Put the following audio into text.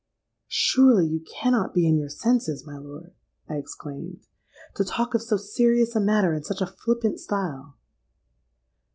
'—'Surely you cannot be in your senses, my lord,' I exclaimed, 'to talk of so serious a matter in such a flippant style?'